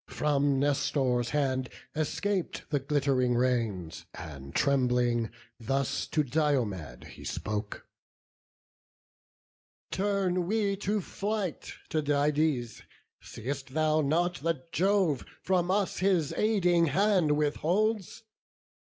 From Nestor's hand escap'd the glitt'ring reins, And, trembling, thus to Diomed he spoke: "Turn we to flight, Tydides; see'st thou not, That Jove from us his aiding hand withholds?